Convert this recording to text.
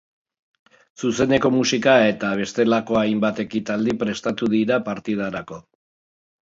Zuzeneko musika eta bestelako hainbat ekitaldi prestatu dira partidarako.